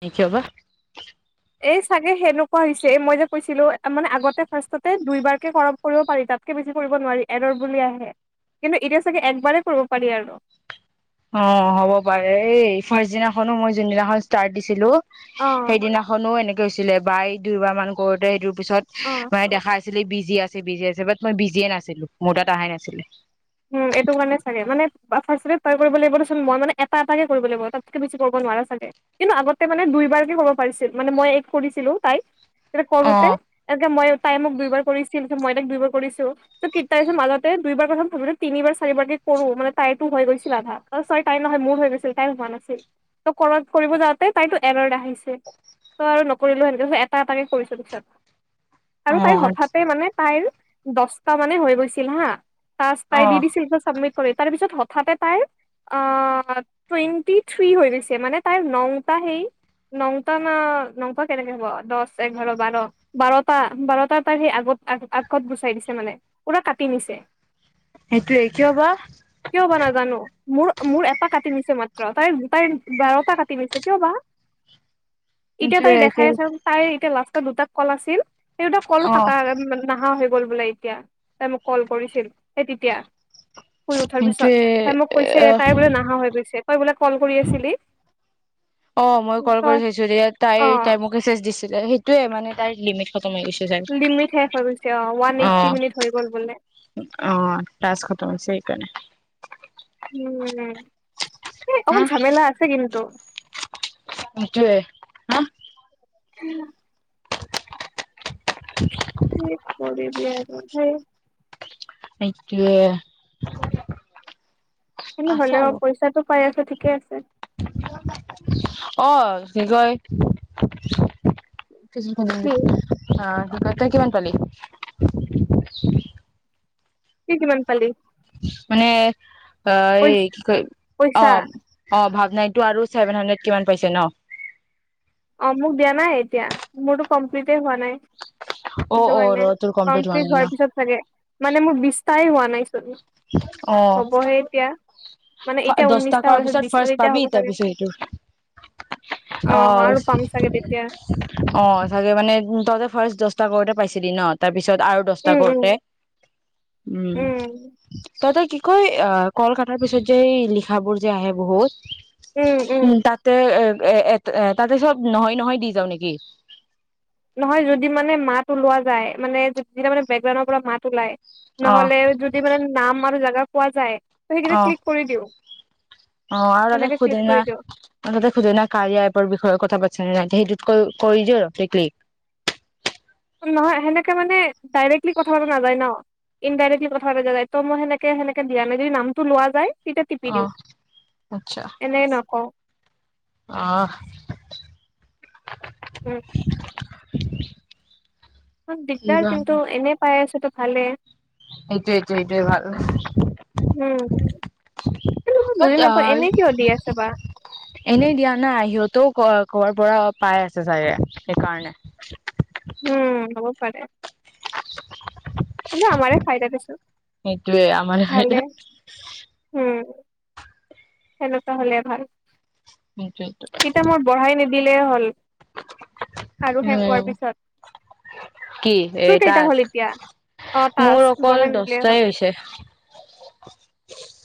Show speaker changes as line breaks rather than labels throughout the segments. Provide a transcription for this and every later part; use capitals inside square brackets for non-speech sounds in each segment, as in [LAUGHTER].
কেতিয়াবা।
এই চাগে সেনেকুৱা হৈছে মই যে কৈছিলো মানে আগতে ফাৰ্ষ্টতে দুইবাৰকে কৰম কৰিব পাৰি তাতকে বেছি কৰিব নোৱাৰি এৰৰ বুলি আহে কিন্তু এতিয়া চাগে একবাৰেই কৰিব পাৰি আৰু [UNINTELLIGIBLE]
অঁ, হ'ব পাৰে এই ফাৰ্ষট দিনাখনো মই যোনদিনাখন ষ্টাৰ্ট দিছিলো।
অ
সেইদিনাখনো এনেকে। গৈছিলে বাই দুইবাৰ মান কৰোতে সেইটো। পিছত
অ
মানে, দেখা আছিলে বিজ। বিজি আছে বিজি আছে বাট মই বিজিয়ে নাছিলো মোৰ তাত অহাই নাছিলে।
এইটো কাৰণে চাগে মানে, লাগিব মই মানে এটা এটে কৰিব লাগিব, তাতকে বেছি কৰিব নোৱাৰা চাগে কিন্তু আগতে মানে দুইবাৰকে কব পাৰিছিল মানে মই এক কৰিছিলো তাই। তে কৰোতে এ মই। তাই মোক দুইবাৰ কৰিছিল মই তাক দুইবাৰ কৰিছো, ঠিক তাৰ পিছত মাজতে দুইবাৰ কথা ভাবিলো। নিবাৰ চাৰিবাৰকে কৰো। মানে তাইতো হৈ গৈছিল আধা তই তাই নহয় মোৰ হৈ গৈছিল তাই হোৱা নাছিল ত কৰ কৰিব যাওঁতে তাইতো এৰা আহি। ত আৰু। কৰিলো সেনেকে এটা এটাকে কৰিছো পিছত। আৰু তাইৰ
অ
হঠাতে মানে। তাইৰ দহটা মানে হৈ গৈছিল হা তাছ।
অ
তাই
অ
ডি ডিচিল ক চাবমিট। তাৰ পিছত হঠাতে তাইৰ, আহ টুৱেণ্টি থ্ৰী হৈ গৈছে মানে তাইৰ নংটা সেই নটা ন নটা কেনেকে হ'ব দহ এঘাৰ বাৰ বাৰটা বাৰটা তাই সেই আগত আগত গুচাই দিছে মানে পুৰা কাটি নিছে।
সেইটোৱে কি
কিয় বা
হ'ব?
নাজানো মোৰ মোৰ এটা কাটি নিছে মাত্ৰ তাই দু তাই বাৰটা কাটি নিছে কিয় বা? এতিয়া
সেইটোৱে
তাই
কি
দেখাই আছে তাই এতিয়া লাষ্ট। দুটা কল আছিল। সেইটো কল
অ
কটা নাহা হৈ। গ'ল বোলে এতিয়া, তাই মোক কল কৰিছিল। সেই তেতিয়া। শুই উঠাৰ পিছত,
সেইটোৱে
তাই মোক কৈছে
আহ
তাই বোলে নাহা হৈ গৈছে কই বোলে কল কৰি আছিলি।
অ, মই কল কৰি
তই
থৈছো সেয়া তাই
অ
তাই মোক মেছেজ দিছে। সেইটোয়ে মানে তাৰ লিমিট। খতম হৈ গৈছে চ
লিমিট শেষ হৈ গৈছে অ ওৱান এইট্টি
আহ
মিনিট হৈ গ'ল বোলে
আহ তাছ খতম হৈছে সেইকাৰণে [UNINTELLIGIBLE]
উম, এই
হা
অকল ঝামেলা আছে কিন্তু।
সেটোৱে আহ।
উম। কি কৰিবি আৰু।
সেইটোৱে।
তেনে
আছে
হ'লে অ
আৰু
পইচাটো। পাই আছে ঠিকে আছে।
অ, কি কয়।
কি
[UNINTELLIGIBLE] তই কিমান পালি?
কি কিমান পালি?
মানে। অ
পই
এই কি ক অ
পইচা
অ ভাগ। নাইটো আৰু ছেভেন হান্দ্ৰেড কিমান পাইছে ন।
অঁ, মোক দিয়া নাই, এতিয়া মোৰতো কমপ্লিতে হোৱা নাই।
অ
সেইটো
অ ৰ
কাৰণে
তোৰ হোৱা
কমপ্লিট
নাই ন
হোৱাৰ পিছত চাগে, মানে মোৰ বিস্তাই হোৱা নাই। উম, হ'বহে এতিযা।
দশটা কৰাৰ পিছত ফাৰ্ষ্ট পাবি।
হ'ব
তাৰ
চাগে
পিছত সেইটো অ'।
আৰু পাম চাগে তেতিয়া
অ' চাগে মানে তই যে ফাষ্ট দহ টা কৰোতে পাইছিলি ন, তাৰ পিছত আৰু দছটা
উম উম
কৰোতে, উম, তইতো কি? কৈ অঁ। কলকটাৰ পিছত, যে' লিখাবোৰ যে' আহে বহুত। উম তাতে, এ এ-এ-এ, তাতে চব নহয়-নহয়, দি যাও নেকি?
নহয় যদি মানে মাত ওলোৱা যায়, মানেতি মানে বেকগ্ৰাউণৰ পৰা মাত ওলায়।
অ
নহ'লে যদি মানে নাম আৰু যাগা। পোৱা যায়। ত সেইকেইটা
অঁ,
ক্লিক কৰি দিওঁ
অঁ, আৰু তাতে
সেনেকে ক্লিক
সোধনা
কৰি দিওঁ
তাতে সোধেনা কাৰিআইপৰা বিষয়ে, কথা পাতি। সেইটোত কৰি দিও আৰু ক্লিক।
নহয় সেনেকে মানে ডাইৰেক্টলি কথা পতা নাযায় ন, ইনডাইৰেক্টলি কথা পতা নাযায় ত' মই সেনেকে-সেনেকে, দিয়া নাই যদি নামটো লোৱা যায়। তেতিয়া টিপি
অ
দিওঁ এনেকে নকওঁ।
অঁ।
উম।
[UNINTELLIGIBLE]
দিগদাৰ কিন্তু
এইটোৱে
এনেই পাই আছো। টো ভালে,
সেইটোৱেই-সেইটোয়ে ভাল
উম কিন্তু মই বুজি নাপাওঁ এনে কিয় দি আছে বা
এনেই দিয়া নাই। সিহঁতও ক'ৰ পৰা পাই আছে চাগে। সেইকাৰণে,
উম' হ'ব পাৰে। আমাৰেই ফাইদা দেচোন।
সেইটোৱে আমাৰেই
ভালে
ফাইডা
তেনেকুৱা হলে ভাল।
সেইটোৱেইটো।
দিলেই হ'ল। আৰু শেষ হোৱাৰ
উম
পিছত
কি এ
তোৰ কেইটা হল
টাস্ক
এতিয়া? অ
মোৰ
টাচ
অকল
বঢ়াই নিদিলে
দহটাই
হল,
হৈছে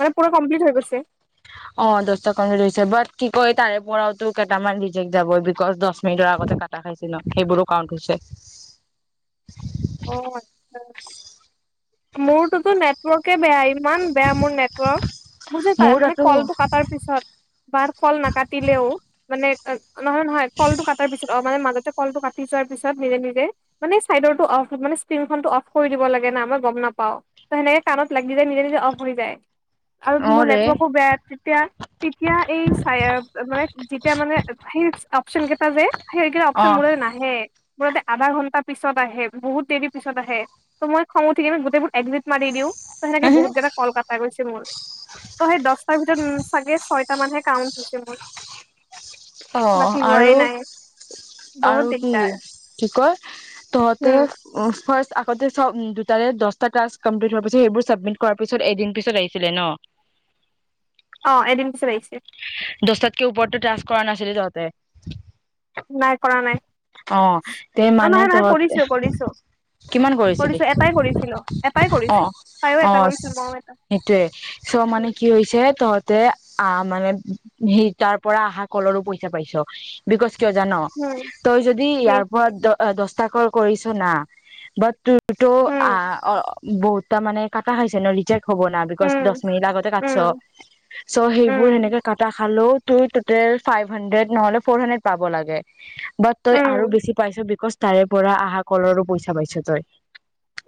মানে পুৰা কমপ্লিট হৈ গৈছে। [UNINTELLIGIBLE]
অ' দহটা কমপ্লিত হৈছে বাট কি কয়, তাৰে পৰাওতো কেইটামান ৰিজেক্ট যাবই, বিকজ দহ মিনিটৰ আগতে কাটা খাইছে ন, সেইবোৰো কাৰউণ্ট হৈছে।
অ' আচছা, মোৰ তোতো নেট ৱৰ্ককে বেয়া ইমান বেয়া মোৰ নেটৱৰ্ক মোৰ যে মানে কলটো কটাৰ পিছত বা কল নাকাটিলেও মানে এক নহয় নহয় কলটো কাটাৰ পিছত অ মানে মাজত কলটো কাটি যোৱাৰ পিছত নিজে নিজে মানে চাইডৰটো অফ মানে স্পিনখনটো অফ কৰি দিব লাগে ন আম গম নাপাও ত সেনেকে কাণত লাগি যায় নিজে নিজে অফ হৈ যায়। আৰু
অ
মোৰ
ৰে
নেটৱৰ্কো বেয়া তেতিয়া তেতিয়া এই যেতিয়া মানে অপচনকেইটা যে সেই
অ
অপচন মোৰ তালে নাহে। বোৰতে আধা ঘন্টা পিছত আহে বহুত দেৰি পিছত আহে ত' মই খং ঠিকে মই গোটেইবোৰ এডমিট মাৰি দিওঁ। ত সেনেকে বহুত জেগা কল কটা গৈছে মোৰ। ত সেই দশটাৰ ভিতৰত চাগে ছয়টা মানহে কাউন্ট হৈছে মোৰ।
অ
বাকী
আৰু
হোৱাই নাই বহুত
আৰু কি
দিগদাৰ
কি কয় তহতে
উম
ফাৰ্ষ্ট আগতে চ উ দুটাৰে দছটা ক্লাচ কমপ্লিট হোৱাৰ পিছত সেইবোৰ চাবমিট কৰাৰ পিছত এদিন পিছত আহিছিলে ন।
অ এদিন পিছত আহি
দচটাত ওৰতটো ক্লাছ কৰা নাছিলে তাহতে।
নাই কৰা নাই
অ তে
অ
মানে
নহয় নহয়
তহত
কৰিছো কৰিছো
কিমান কৰিছিলি
কৰিছো এটাই কৰিছিলো এটাই
অ
কৰিছো তাইও এটা
আহ
কৰিছিল মইও এটা
সেইটোয়ে চ' মানে
উম
কি হৈছে তহঁত তে আ মানে সেই তাৰ পৰা অহা কলৰো পইচা পাইছ বিকোচ কিয় জান,
উম
তই যদি
কি
ইয়াৰ পৰা অ দস্তাকল কৰিছ না সেইটো
উম
অ বহুতা মানে কাটা হৈছে ন ৰিজেক্ট হ'ব না বিকজ দহ
উম
মিনিট আগতে কাটছ
উম
চ' সেই বোৰ
উম
সেনেকে কাটা খালো তোৰ টোটেল ফাইভ হানড্ৰেড নহলে ফ'ৰ হানড্ৰেড পাব লাগে। বাট তই আৰু
উম
বেছি পাইছ বিকজ তাৰে পৰা আহা কলৰো পইচা পাইছ তই।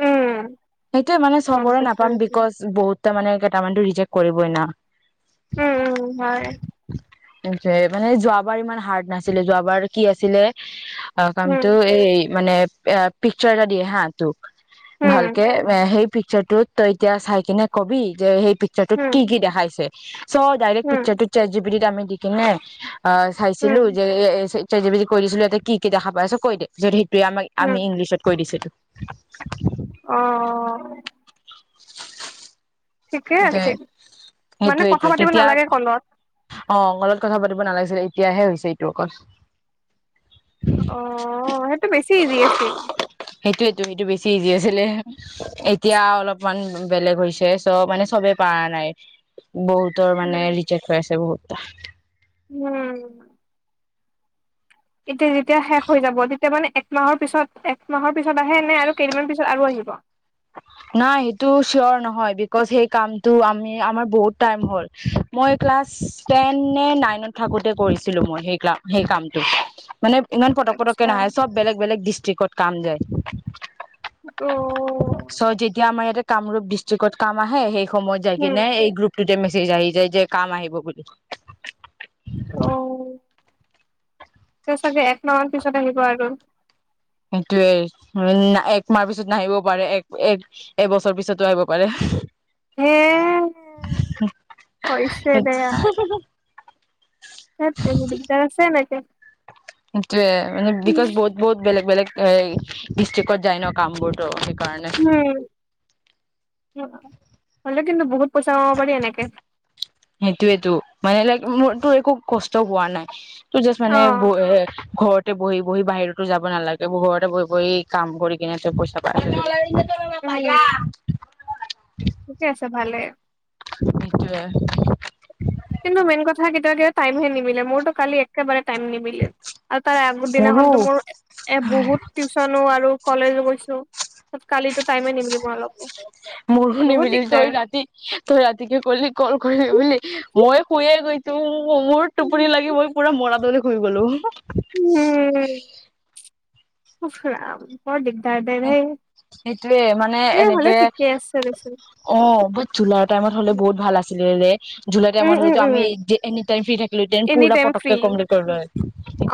উম
সেইটোয়ে মানে
গম
চবৰে
পাইছো
নাপাম
এইটো
বিকজ বহুত ত' মানে কেইটামানটো ৰিজেক্ট কৰিবই না?
উম উম, হয়।
যে, মানে যোৱাবাৰ ইমান হাৰ্ড নাছিলে, যোৱাবাৰ কি আছিলে অ'
উম
কামটো এই মানে, এ পিকচাৰ এটা দিয়ে হা তো
উম
ভালকে, এ সেই পিকচাৰটোত তই এতিয়া চাই কিনে কবি যে, সেই পিকচাৰটোত
উম
কি কি দেখাইছে? চ ডাইৰেক্ট
উম
পিকচাৰটো চেট জিপিটি দি, আমি দি কিনে অ'
উম
চাইছিলো যে, এ চেট জিপিটিক কৈ দিছিলো, ইয়াতে কি কি দেখা পাইছ কৈ দে। যদি ত'
উম
আমাক-আমি ইংলিছত কৈ দিছিলো।
অ'। ঠিকেই আছিল, মানে
সেইটোৱেইটো
কথা পাতিব
তেতিয়া
নালাগে কলত?
অ' কলত কথা পাতিব নালাগিছিলে, এতিয়াহে হৈছে এইটো অকল।
অ' সেইটো বেছি ইজি আছিল।
সেইটো এইটো, সেইটো বেছি ইজি আছিলে। এতিয়া অলপমান বেলেগ হৈছে। ত' মানে চবে পাৰা নাই। বহুতৰ মানে ৰিচেক্ হৈ আছে বহুত। তা
উম। এতিয়া যেতিয়া শেষ হৈ যাব, তেতিয়া মানে একমাহৰ পিছত, একমাহৰ পিছত আহে? নে আৰু কেইদিনমান পিছত আৰু আহিব?
নাই। সেইটো চিয়ৰ নহয়, বিকজ সেই কামটো আমি আমাৰ বহুত টাইম হ'ল। মই ক্লাছ টেন নে নাইনত থাকোতে কৰিছিলো, মই সেই কা-সেই কামটো। মানে ইমান পটক-পটককে
আচ্ছা
নাহে, চব বেলেগ বেলেগ ডিষ্ট্ৰিকত কাম যায়।
অ'।
চ যেতিয়া আমাৰ ইয়াতে কামৰূপ ডিষ্ট্ৰিকত কাম আহে, সেই সময় যাই
উম
কেনে, এই গ্ৰুপ তে মেছেজ আহি যায় যে, কাম আহিব বুলি।
অ'। ত' চাগে একমা মান পিছত আহিব আৰু।
সেইটোয়েই। একমাহ পিছত নাহিবও পাৰে, এক-এবছৰ পিছতো আহিব পাৰে।
হে, হৈছে দে আৰ। ধেৎতেৰি। দিগদাৰ আছে এনেকে।
সেইটোৱে। মানে বিকজ বহুত-বহুত বেলেগ-বেলেগ। এই ডিষ্ট্ৰিকত যায় ন কামবোৰ টো
উম হ'লে কিন্তু বহুত পইচা কমাব পাৰি এনেকে
সেইটোৱে টো মানে লাইক মোৰতো একো কষ্ট পোৱা নাই এইটো যাজ
অ
মানে বৌয়ে ঘৰ তে বহি বহি বাহিৰতো যাব নালাগে ঘৰতে বহি বহি কাম কৰি কিনে তই পইচা পাই না
উম
পায়া
ঠিকে আছে ভালে
সেইটোৱে
কিন্তু মেইন কথা কেতিয়া কেতিয়াবা টাইমহে নিমিলে মোৰতো কালি একেবাৰে টাইম নিমিলে আৰু তাৰ
মোৰো
আগৰদিনাখনটো মোৰ এ বহুত টিউচনো আৰু কলেজো গৈছো ত কালিতো টাইমে নিমিলিব অলপো
মোৰো
বহুত
নিমিলি তই
দিগদাৰ
ৰাতি তই ৰাতিকে কলি কল কৰিবি বুলি মই শুইয়ে গৈছো মোৰ টোপনি লাগি মই পুৰা মৰাদৰে শুই গ'লো
উম উফ ৰাম বৰ দিগ
সেইটোয়ে মানে
এ হ'লে
এনেকে
ঠিকে আছে দেচোন
অ বহুত জুলাই টাইমত হ'লে বহুত ভাল আছিলে ৰে জুলাই
উম
টাইমত হ'লে
উম
টো আমি
উম
এনিটাইম ফ্ৰী থাকিলো হেতেন
এনি
পুৰা
টাইম
পটককে
ফ্ৰী
কমপ্লিট কৰিলো হয়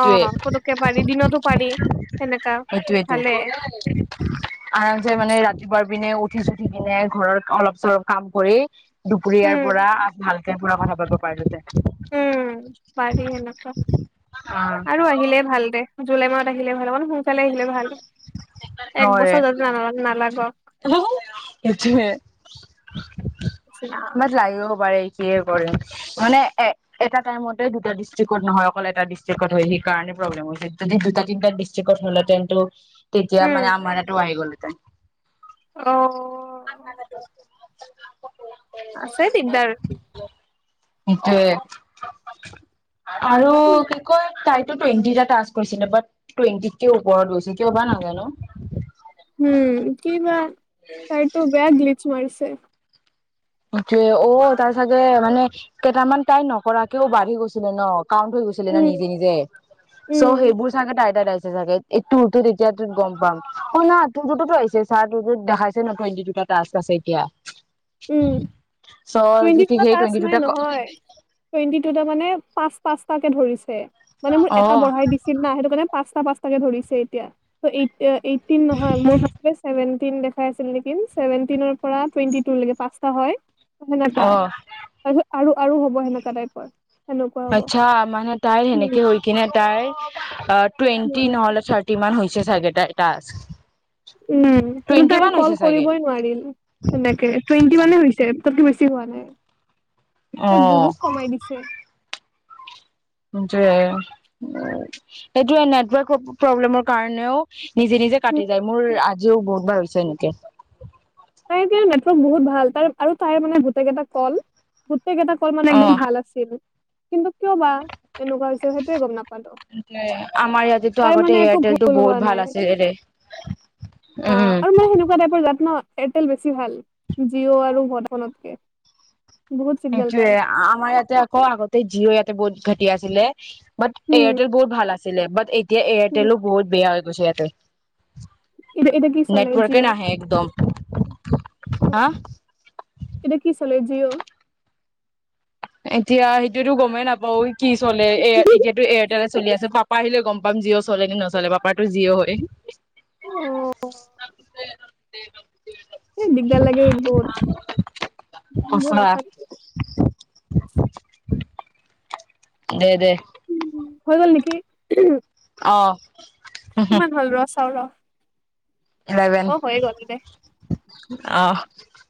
অ পুতুককে পাৰি দিনতো পাৰি সেনেকা
সেইটোৱেটো
ভালে
আৰামচে মানে ৰাতিপুৱাৰ পিনে উঠি চুঠি কিনে ঘৰৰ অলপ চলপ কাম কৰি দুপৰীয়াৰ
উম
পৰা ভাল কে পুৰা কথা পাতিব পাৰিলো হেতেন
উম পাৰি সেনেকোৱা আৰু আহিলে ভাল দে জুলাই মাহত আহিলে ভাল হ'ব
অ ৰে
বছৰ যাতে ন নালাগক
সেইটোয়ে
নিচিনা।
ইমান লাগিব পাৰে কিহে কৰিম মানে এ এটা টাইমতে দুটা ডিষ্ট্ৰিকত নহয় অকল এটা ডিষ্ট্ৰিকত হয় সেই কাৰণে প্ৰব্লেম হৈছে যদি দুটা তিনটা ডিষ্ট্ৰিক্ কত হ'ল হেতেন টো তেতিয়া মানে আমাৰ ইয়াতো আহি গ'ল তাকে [UNINTELLIGIBLE]
অহ আছে দিগদাৰ
সেইটোয়ে আৰু কি কয় তাইতো টুৱেণ্টিটা টাছ কৰিছিলে বাট টুৱেণ্টিত কেও ওপৰত গৈছিল কিয় বা নেজানো
চাইটো বেয়া গিল [UNINTELLIGIBLE]
সেইটোয়ে অ তাৰ চাগে মানে কেইটামান তাই নকৰাকেও বাঢ়ি গৈছিলে ন। কাউণ্ট হৈ গৈছিলে না
উম
নিজে নিজে
উম
চ' সেইবোৰ চাগে তাইৰ তাত চে চাগে এই তোৰটোত এতিয়াটোত গম পাম অ য়া তোৰটোটোত আহিছে ছা তুৰটোত দেখাইছে নকয় তো আছে এতিয়া।
উম
চ' যি ঠিক
টুৱেন্টিতা
সেই
টাস্ক
টুৱেণ্টি
নাই
দুটা
নহয় টুৱেন্টি মানে পাঁচ পাঁচতা কে ধৰিছে। মানে মোৰ
অ
এটা বঢ়াই দিছিল ন সেইটো কাৰণে পাচ পাঁচটা পাঁচাকে ধৰিছে এতিয়া ত এ এইটিন নহয় মোৰ ফাষ্টতে চেভেন তিন দেখাই আছিল নেকি? চেৱেন্তিনৰ পৰা টুৱেন্টিটোৰ লৈকে পাঁচটা হয়। অ সেনেকা, তাছত আৰু আৰু হ'ব সেনেকুৱা টাইপৰ। সেনেকুৱা হ'ব
আচ্ছা মানে তাইৰ
উম
সেনেকে হৈ কিনে তাইৰ আহ টুৱেণ্টি
উম
নহল থাৰ কিমান হৈছে চাগেটাৰ টাস্ক।
উম কিন্তু
টুৱেণ্টি
তাই
মান
কল
হৈছে চাগে
কৰিবই নোৱাৰিল সেনেকে টুৱেন্টি মানে হৈছে। তাতকে বেছি হোৱা নাই।
অ
তাইৰ বহুত কমাই দিছে।
[UNINTELLIGIBLE] এইটোয়ে নেটৱৰ্ক প্ৰব্লেমৰ কাৰণেও নিজে নিজে
উম
কাটি যায় মোৰ [UNINTELLIGIBLE] বহুতবাৰ হৈছে এনেকে।
তাই কিয় নেত বহুত ভাল তাই আৰু তাইৰ মানে গোটক এটা কল গোটেইকিটা কল মানে
অ
একদম ভাল আছিল। কিন্তু কিয় বা এনেকুৱা হৈছে সেইটোৱে গম নাপালো
আমাৰ ইয়াতেতো
তাই
আগতে
মানে একো
এয়াৰটেলটো
ভুল
বহুত
হোৱা
ভাল
নাই
আছিলে ৰে।
আহ
উম
আৰু মই সেনেকুৱা টাইপ [UNINTELLIGIBLE] এয়াৰটেল বেছি ভাল জিঅ' আৰু ভডফোনতকে।
সেইটোৱে আমাৰ ইয়াতে আকৌ আগতে জিঅ ইয়াতে বহুত ঘাট টি আছিলে বাট
উম
এয়াৰটেল বহত ভাল আছে। ছিলে বাট এই এতিয়া
উম
এয়াৰটেলো বহু বেয়া হৈছে ইয়াতে।
এতিয়া এতিয়া কি চলাই
নেটৱৰ্কে
জিঅ
নাহে একদম হা
এতিয়া কি চলাই? জিঅ'
এতিয়া সেইটোতো গমেই নাপাও ঐ, কি চলে এ এতিয়াটো এয়াৰটেলে চলি আছে। আহিলে গম পাম জিঅ' চলে নে নচলে পাপাটো জিঅ' হয়।
অ
নেটৱৰ্ক
সেই দিগদাৰ লাগে বহুত,
সঁচা
বহুত অশান্তি।
দে দে
হৈ গ'ল নেকি?
অ
কিমান হ'ল ৰ চাও ৰ-
ইলেভেন
অ হৈয়ে গ'ল দে
অ [UNINTELLIGIBLE]